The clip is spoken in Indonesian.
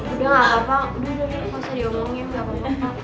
udah gak apa apa udah udah gak usah diomongin gak apa apa